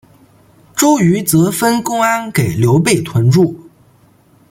周瑜则分公安给刘备屯驻。